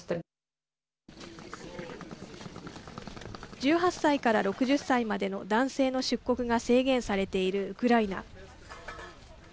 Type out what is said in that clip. １８歳から６０歳までの男性の出国が制限されているウクライナ。